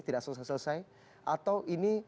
tidak selesai selesai atau ini